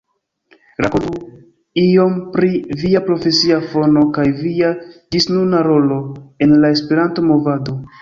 Rakontu iom pri via profesia fono kaj via ĝisnuna rolo en la Esperanto-Movado!